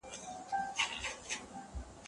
په کور کې ښو کارونو ته هڅول د ايمان یوه نښه ده.